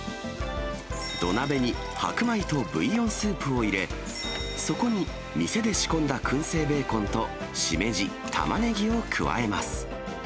土鍋に白米とブイヨンスープを入れ、そこに店で仕込んだくん製ベーコンとしめじ、たまねぎを加えます。